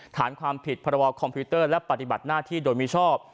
ฐานความผิดพรบคอมพิวเตอร์และปฏิบัติหน้าที่โดยมิชอบ